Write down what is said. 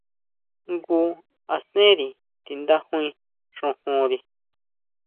Jngu asenri tindajui xojonri.